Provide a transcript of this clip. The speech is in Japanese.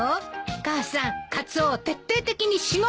母さんカツオを徹底的にしごいて。